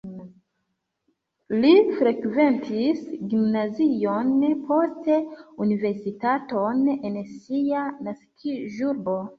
Li frekventis gimnazion, poste universitaton en sia naskiĝurbo.